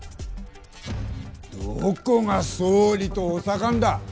どこが総理と補佐官だ。